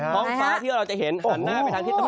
ท้องฟ้าที่เราจะเห็นหันหน้าไปทางทิศตะวัน